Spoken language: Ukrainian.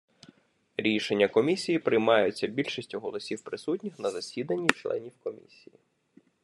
Рішення Комісії приймаються більшістю голосів присутніх на засіданні членів Комісії.